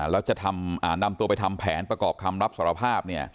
แล้วจะนำตัวไปทำแผนประกอบคำรับสารภาพ